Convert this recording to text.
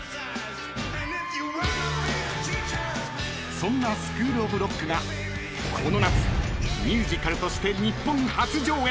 ［そんな『スクール・オブ・ロック』がこの夏ミュージカルとして日本初上演］